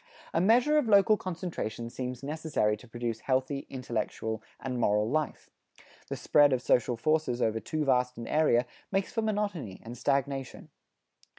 A measure of local concentration seems necessary to produce healthy, intellectual and moral life. The spread of social forces over too vast an area makes for monotony and stagnation.